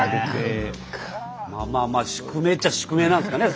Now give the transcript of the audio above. まあまあ宿命っちゃ宿命なんすかね